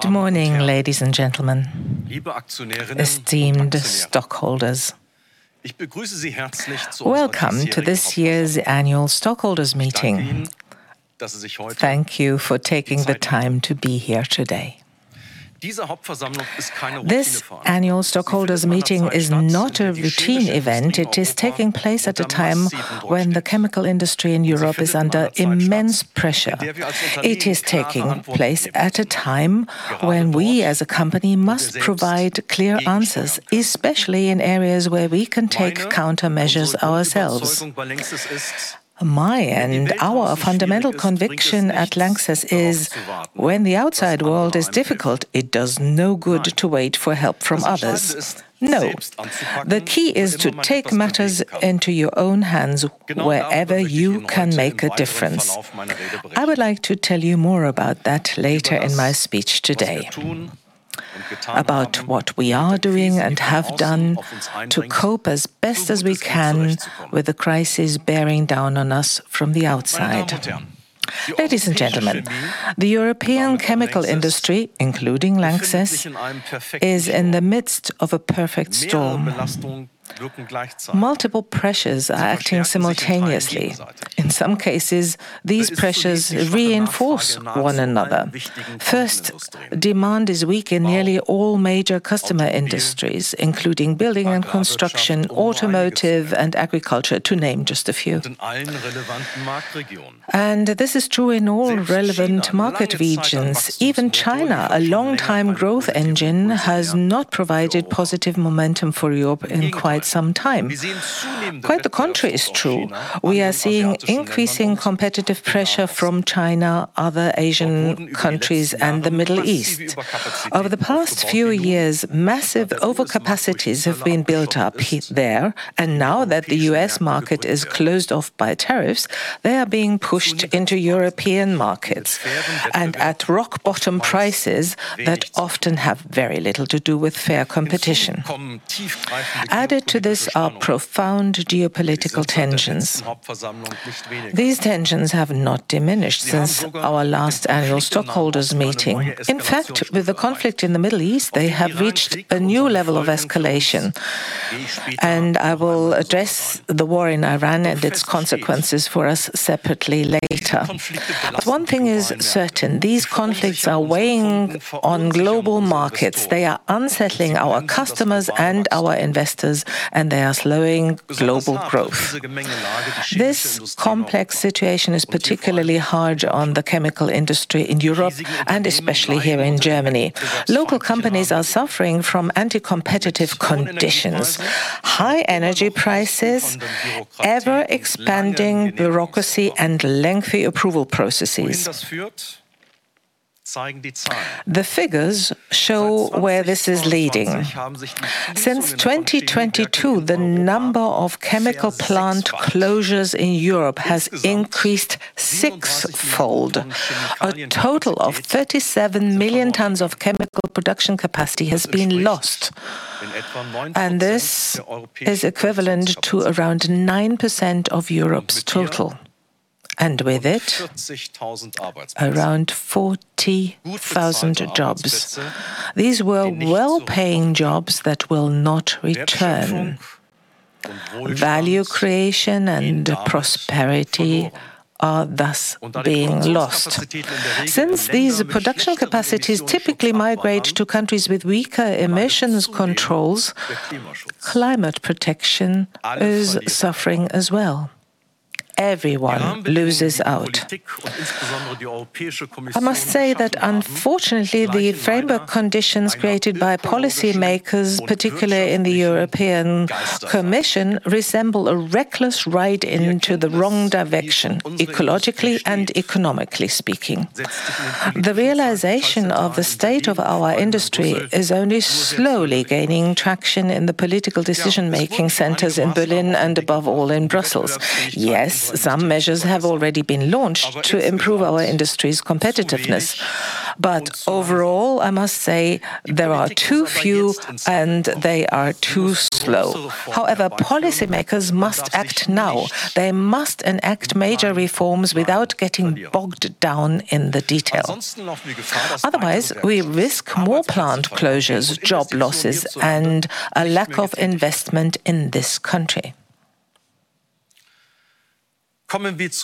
Good morning, ladies and gentlemen, esteemed stockholders. Welcome to this year's Annual Stockholders Meeting. Thank you for taking the time to be here today. This Annual Stockholders Meeting is not a routine event. It is taking place at a time when the chemical industry in Europe is under immense pressure. It is taking place at a time when we, as a company, must provide clear answers, especially in areas where we can take countermeasures ourselves. My and our fundamental conviction at LANXESS is when the outside world is difficult, it does no good to wait for help from others. No. The key is to take matters into your own hands wherever you can make a difference. I would like to tell you more about that later in my speech today, about what we are doing and have done to cope as best as we can with the crisis bearing down on us from the outside. Ladies and gentlemen, the European chemical industry, including LANXESS, is in the midst of a perfect storm. Multiple pressures are acting simultaneously. In some cases, these pressures reinforce one another. First, demand is weak in nearly all major customer industries, including building and construction, automotive, and agriculture, to name just a few. This is true in all relevant market regions. Even China, a longtime growth engine, has not provided positive momentum for Europe in quite some time. Quite the contrary is true. We are seeing increasing competitive pressure from China, other Asian countries, and the Middle East. Over the past few years, massive overcapacities have been built up there, and now that the U.S. market is closed off by tariffs, they are being pushed into European markets, and at rock-bottom prices that often have very little to do with fair competition. Added to this are profound geopolitical tensions. These tensions have not diminished since our last Annual Stockholders Meeting. In fact, with the conflict in the Middle East, they have reached a new level of escalation. I will address the war in Iran and its consequences for us separately later. One thing is certain, these conflicts are weighing on global markets. They are unsettling our customers and our investors, and they are slowing global growth. This complex situation is particularly hard on the chemical industry in Europe and especially here in Germany. Local companies are suffering from anti-competitive conditions, high energy prices, ever-expanding bureaucracy, and lengthy approval processes. The figures show where this is leading. Since 2022, the number of chemical plant closures in Europe has increased sixfold. A total of 37 million tons of chemical production capacity has been lost, and this is equivalent to around 9% of Europe's total, and with it, around 40,000 jobs. These were well-paying jobs that will not return. Value creation and prosperity are thus being lost. Since these production capacities typically migrate to countries with weaker emissions controls, climate protection is suffering as well. Everyone loses out. I must say that unfortunately, the framework conditions created by policymakers, particularly in the European Commission, resemble a reckless ride into the wrong direction, ecologically and economically speaking. The realization of the state of our industry is only slowly gaining traction in the political decision-making centers in Berlin and above all, in Brussels. Yes, some measures have already been launched to improve our industry's competitiveness. Overall, I must say there are too few and they are too slow. Policymakers must act now. They must enact major reforms without getting bogged down in the detail. Otherwise, we risk more plant closures, job losses, and a lack of investment in this country. Let's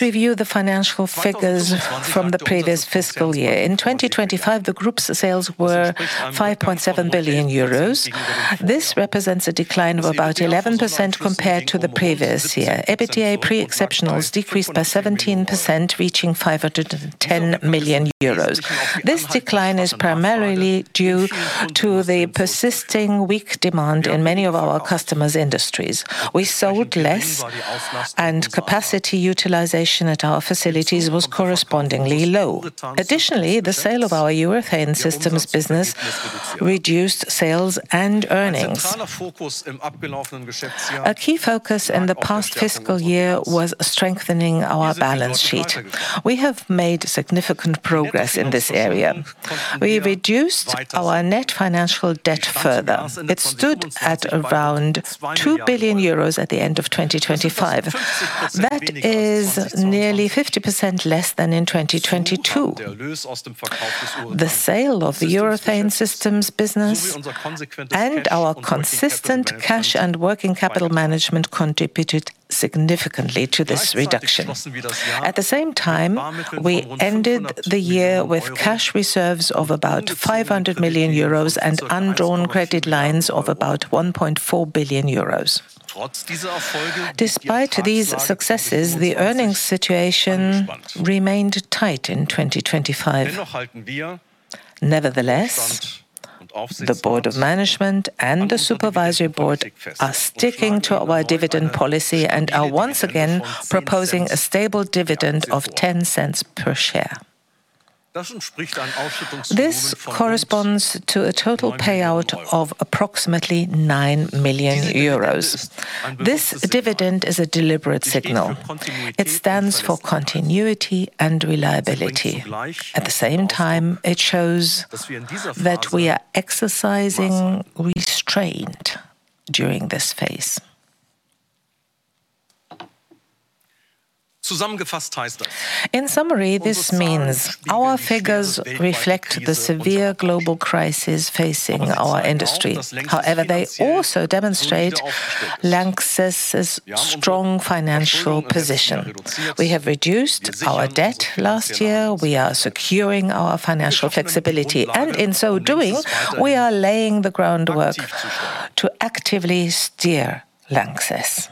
review the financial figures from the previous fiscal year. In 2025, the group's sales were 5.7 billion euros. This represents a decline of about 11% compared to the previous year. EBITDA pre exceptionals decreased by 17%, reaching 510 million euros. This decline is primarily due to the persisting weak demand in many of our customers' industries. We sold less, and capacity utilization at our facilities was correspondingly low. Additionally, the sale of our Urethane Systems business reduced sales and earnings. A key focus in the past fiscal year was strengthening our balance sheet. We have made significant progress in this area. We reduced our net financial debt further. It stood at around 2 billion euros at the end of 2025. That is nearly 50% less than in 2022. The sale of the Urethane Systems business and our consistent cash and working capital management contributed significantly to this reduction. At the same time, we ended the year with cash reserves of about 500 million euros and undrawn credit lines of about 1.4 billion euros. Despite these successes, the earnings situation remained tight in 2025. Nevertheless, the Board of Management and the Supervisory Board are sticking to our dividend policy and are once again proposing a stable dividend of 0.10 per share. This corresponds to a total payout of approximately 9 million euros. This dividend is a deliberate signal. It stands for continuity and reliability. At the same time, it shows that we are exercising restraint during this phase. In summary, this means our figures reflect the severe global crisis facing our industry. However, they also demonstrate LANXESS' strong financial position. We have reduced our debt last year. We are securing our financial flexibility, and in so doing, we are laying the groundwork to actively steer LANXESS.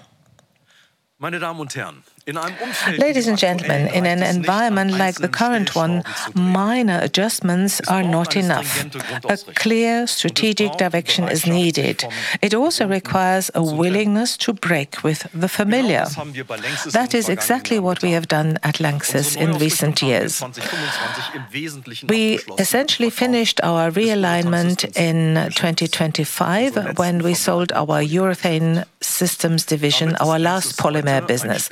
Ladies and gentlemen, in an environment like the current one, minor adjustments are not enough. A clear strategic direction is needed. It also requires a willingness to break with the familiar. That is exactly what we have done at LANXESS in recent years. We essentially finished our realignment in 2025 when we sold our Urethane Systems division, our last polymer business.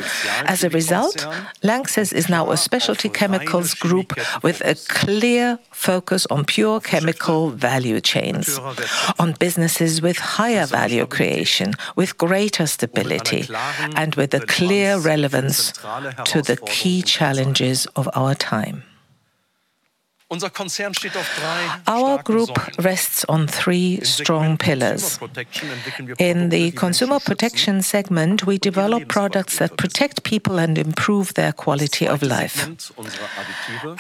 As a result, LANXESS is now a specialty chemicals group with a clear focus on pure chemical value chains, on businesses with higher value creation, with greater stability, and with a clear relevance to the key challenges of our time. Our group rests on three strong pillars. In the Consumer Protection segment, we develop products that protect people and improve their quality of life.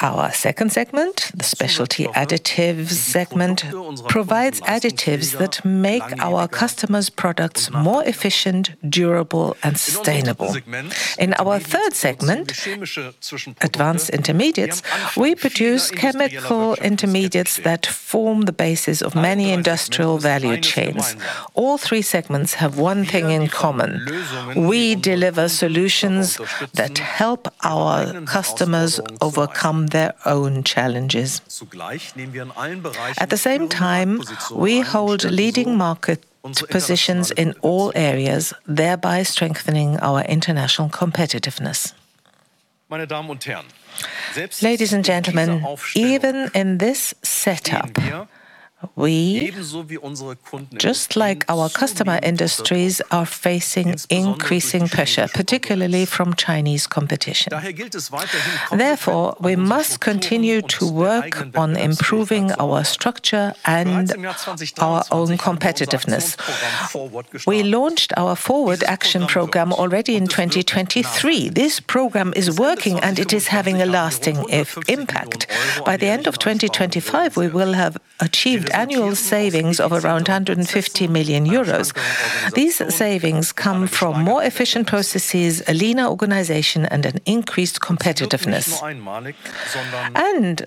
Our second segment, the Specialty Additives segment, provides additives that make our customers' products more efficient, durable, and sustainable. In our third segment, Advanced Intermediates, we produce chemical intermediates that form the basis of many industrial value chains. All three segments have one thing in common. We deliver solutions that help our customers overcome their own challenges. At the same time, we hold leading market positions in all areas, thereby strengthening our international competitiveness. Ladies and gentlemen, even in this setup, we, just like our customer industries, are facing increasing pressure, particularly from Chinese competition. Therefore, we must continue to work on improving our structure and our own competitiveness. We launched our FORWARD! action program already in 2023. This program is working, and it is having a lasting impact. By the end of 2025, we will have achieved annual savings of around 150 million euros. These savings come from more efficient processes, a leaner organization, and an increased competitiveness.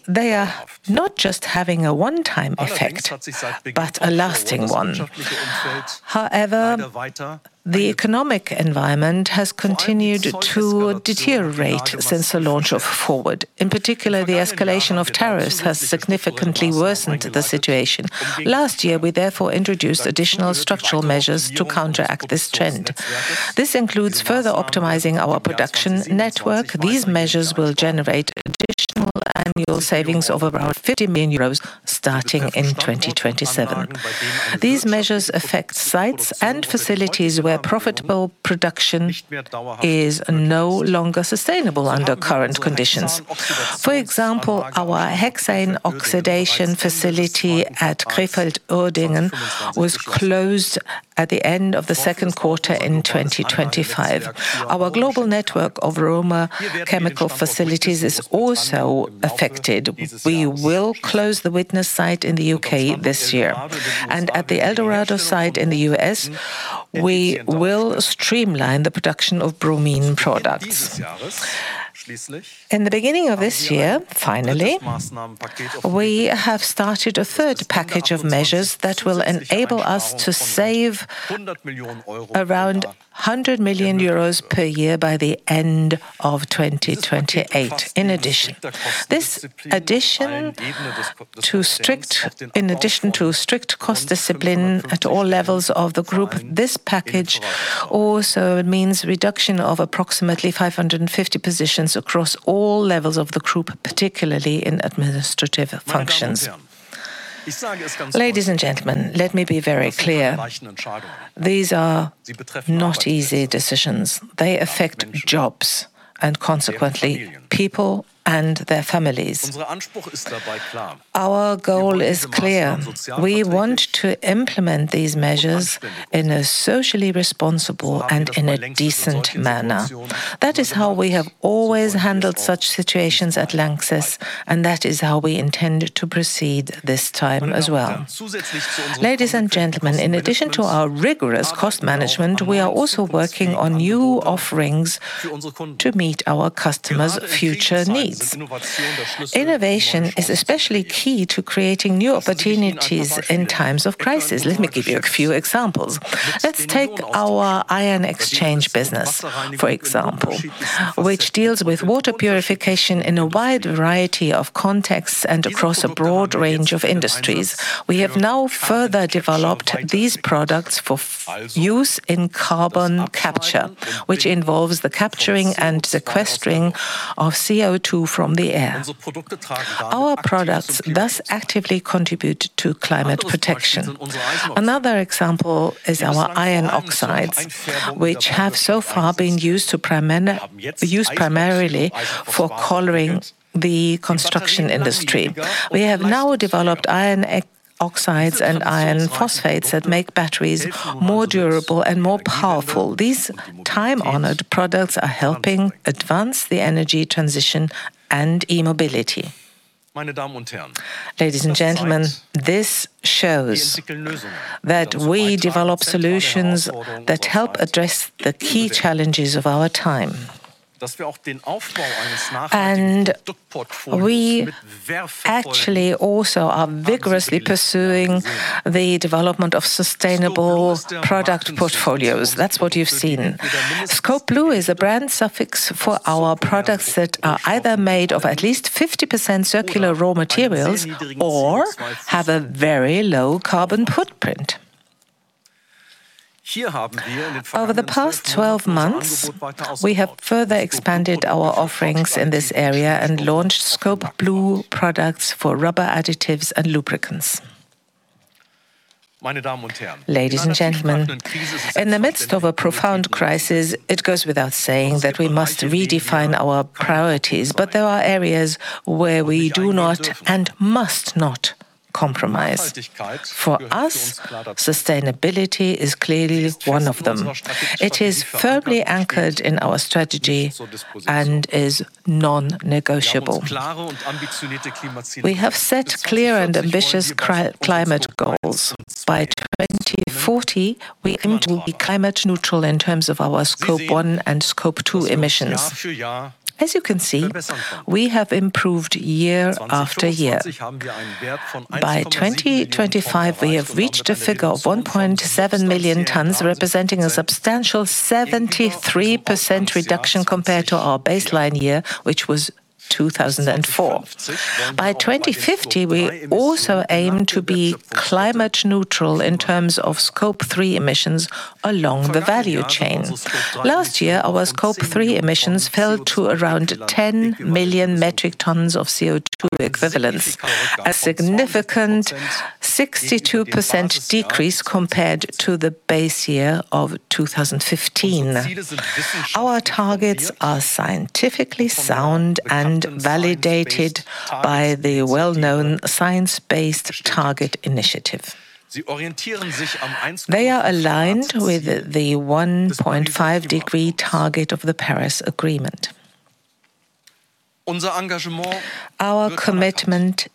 They are not just having a one-time effect, but a lasting one. However, the economic environment has continued to deteriorate since the launch of FORWARD!. In particular, the escalation of tariffs has significantly worsened the situation. Last year, we therefore introduced additional structural measures to counteract this trend. This includes further optimizing our production network. These measures will generate additional annual savings of around 50 million euros starting in 2027. These measures affect sites and facilities where profitable production is no longer sustainable under current conditions. For example, our cyclohexane oxidation facility at Krefeld, Uerdingen was closed at the end of the second quarter in 2025. Our global network of aroma chemical facilities is also affected. We will close the Widnes site in the U.K. this year. At the El Dorado site in the U.S., we will streamline the production of bromine products. In the beginning of this year, finally, we have started a third package of measures that will enable us to save around 100 million euros per year by the end of 2028. In addition to strict cost discipline at all levels of the group, this package also means reduction of approximately 550 positions across all levels of the group, particularly in administrative functions. Ladies and gentlemen, let me be very clear. These are not easy decisions. They affect jobs and consequently people and their families. Our goal is clear. We want to implement these measures in a socially responsible and in a decent manner. That is how we have always handled such situations at LANXESS, and that is how we intend to proceed this time as well. Ladies and gentlemen, in addition to our rigorous cost management, we are also working on new offerings to meet our customers' future needs. Innovation is especially key to creating new opportunities in times of crisis. Let me give you a few examples. Let's take our Ion Exchange business, for example, which deals with water purification in a wide variety of contexts and across a broad range of industries. We have now further developed these products for use in carbon capture, which involves the capturing and sequestering of CO2 from the air. Our products thus actively contribute to climate protection. Another example is our iron oxides, which have so far been used primarily for coloring the construction industry. We have now developed iron oxides and iron phosphates that make batteries more durable and more powerful. These time-honored products are helping advance the energy transition and e-mobility. Ladies and gentlemen, this shows that we develop solutions that help address the key challenges of our time. We actually also are vigorously pursuing the development of sustainable product portfolios. That's what you've seen. Scopeblue is a brand suffix for our products that are either made of at least 50% circular raw materials or have a very low carbon footprint. Over the past 12 months, we have further expanded our offerings in this area and launched Scopeblue products for rubber additives and lubricants. Ladies and gentlemen, in the midst of a profound crisis, it goes without saying that we must redefine our priorities, but there are areas where we do not and must not compromise. For us, sustainability is clearly one of them. It is firmly anchored in our strategy and is non-negotiable. We have set clear and ambitious climate goals. By 2040, we aim to be climate neutral in terms of our Scope 1 and Scope 2 emissions. As you can see, we have improved year after year. By 2025, we have reached a figure of 1.7 million tons, representing a substantial 73% reduction compared to our baseline year, which was 2004. By 2050, we also aim to be climate neutral in terms of Scope 3 emissions along the value chain. Last year, our Scope 3 emissions fell to around 10 million metric tons of CO2-equivalent, a significant 62% decrease compared to the base year of 2015. Our targets are scientifically sound and validated by the well-known Science Based Targets initiative. They are aligned with the 1.5 degree target of the Paris Agreement. Our commitment is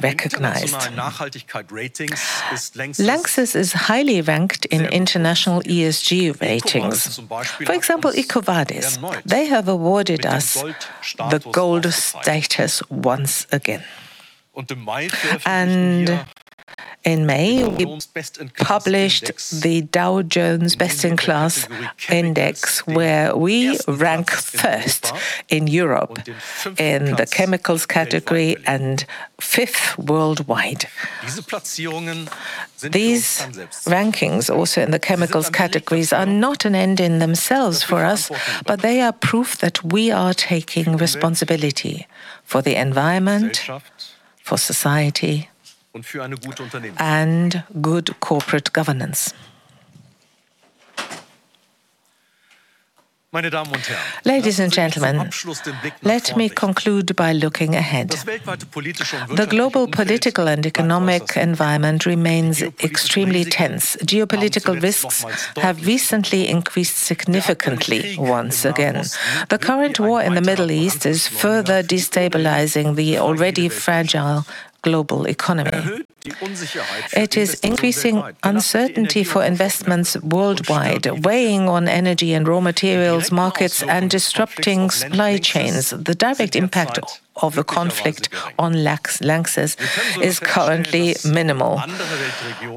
recognized. LANXESS is highly ranked in international ESG ratings. For example, EcoVadis. They have awarded us the Gold status once again. In May, we published the Dow Jones Best-in-Class Index, where we rank first in Europe in the chemicals category and fifth worldwide. These rankings, also in the chemicals categories, are not an end in themselves for us, but they are proof that we are taking responsibility for the environment, for society, and good corporate governance. Ladies and gentlemen, let me conclude by looking ahead. The global political and economic environment remains extremely tense. Geopolitical risks have recently increased significantly once again. The current war in the Middle East is further destabilizing the already fragile global economy. It is increasing uncertainty for investments worldwide, weighing on energy and raw materials markets, and disrupting supply chains. The direct impact of the conflict on LANXESS is currently minimal.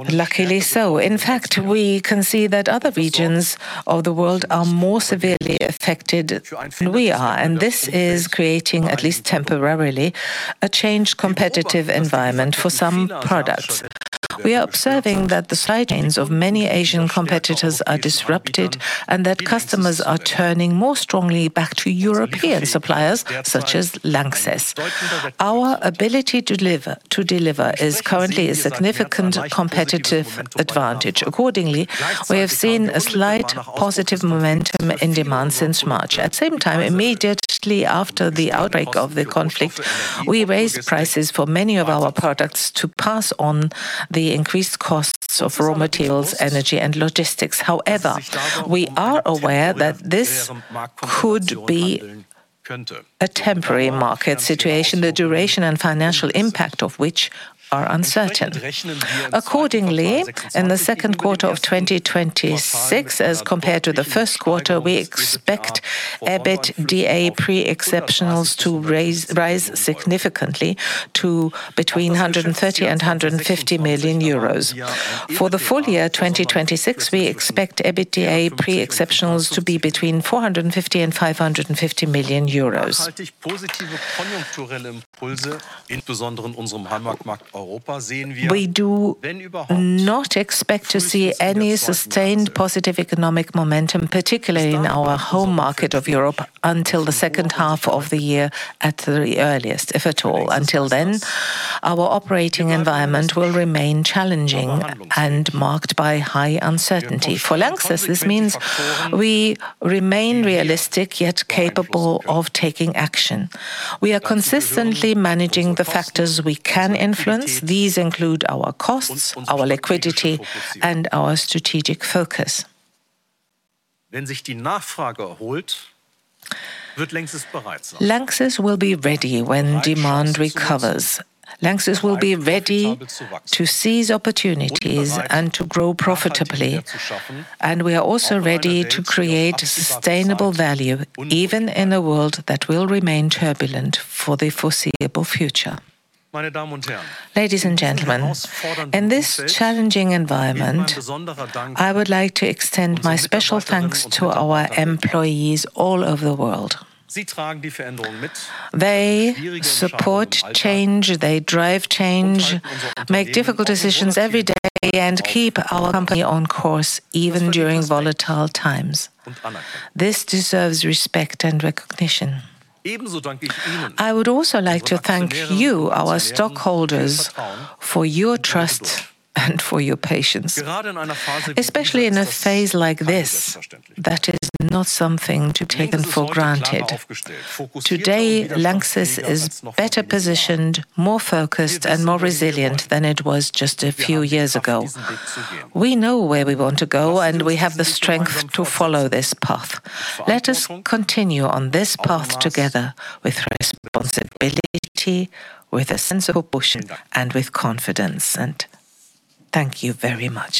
Luckily so. In fact, we can see that other regions of the world are more severely affected than we are, and this is creating, at least temporarily, a changed competitive environment for some products. We are observing that the suppliers of many Asian competitors are disrupted and that customers are turning more strongly back to European suppliers such as LANXESS. Our ability to deliver is currently a significant competitive advantage. Accordingly, we have seen a slight positive momentum in demand since March. At the same time, immediately after the outbreak of the conflict, we raised prices for many of our products to pass on the increased costs of raw materials, energy, and logistics. However, we are aware that this could be a temporary market situation, the duration and financial impact of which are uncertain. Accordingly, in the second quarter of 2026 as compared to the first quarter, we expect EBITDA pre-exceptionals to rise significantly to between 130 million euros and 150 million euros. For the full year 2026, we expect EBITDA pre-exceptionals to be between 450 million and 550 million euros. We do not expect to see any sustained positive economic momentum, particularly in our home market of Europe, until the second half of the year at the earliest, if at all. Until then, our operating environment will remain challenging and marked by high uncertainty. For LANXESS, this means we remain realistic yet capable of taking action. We are consistently managing the factors we can influence. These include our costs, our liquidity, and our strategic focus. LANXESS will be ready when demand recovers. LANXESS will be ready to seize opportunities and to grow profitably. We are also ready to create sustainable value, even in a world that will remain turbulent for the foreseeable future. Ladies and gentlemen, in this challenging environment, I would like to extend my special thanks to our employees all over the world. They support change, they drive change, make difficult decisions every day, and keep our company on course even during volatile times. This deserves respect and recognition. I would also like to thank you, our stockholders, for your trust and for your patience. Especially in a phase like this, that is not something to be taken for granted. Today, LANXESS is better positioned, more focused, and more resilient than it was just a few years ago. We know where we want to go, and we have the strength to follow this path. Let us continue on this path together with responsibility, with a sense of purpose, and with confidence. Thank you very much.